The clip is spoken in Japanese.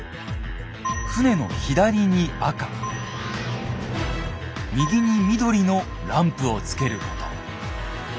船の左に赤右に緑のランプをつけること。